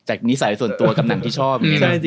จากนิสัยส่วนตัวกับหนังที่ชอบ